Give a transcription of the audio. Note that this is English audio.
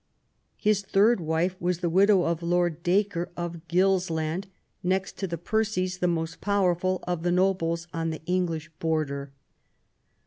His third wife was the widow of Lord Dacre of Gilsland, next to the Percies the most powerful of the nobles on the English Border.